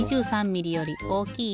２６ミリより大きい？